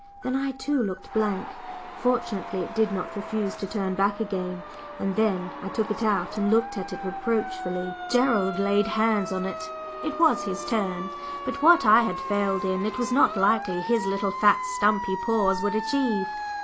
then I too looked blank. Fortunately it did not refuse to turn back again, and then I took it out and looked at it reproachfully. Gerald laid hands on it. It was his turn, but what I had failed in, it was not likely his little, fat, stumpy paws would achieve.